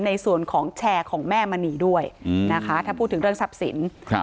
ในส่วนของแชร์ของแม่มณีด้วยนะคะถ้าพูดถึงเรื่องทรัพย์สิน